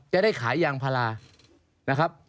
จะได้ขายยางพารานะครับ